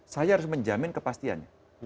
saya harus menjamin kepastian